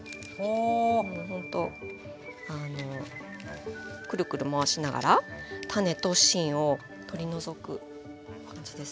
ほんとくるくる回しながら種と芯を取り除く感じです。